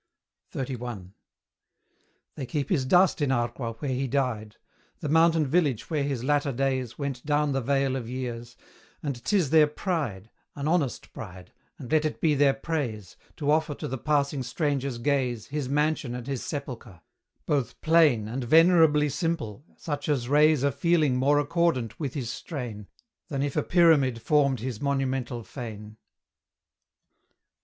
XXXI. They keep his dust in Arqua, where he died; The mountain village where his latter days Went down the vale of years; and 'tis their pride An honest pride and let it be their praise, To offer to the passing stranger's gaze His mansion and his sepulchre; both plain And venerably simple, such as raise A feeling more accordant with his strain, Than if a pyramid formed his monumental fane.